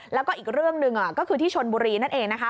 แล้วก็อีกเรื่องหนึ่งก็คือที่ชนบุรีนั่นเองนะคะ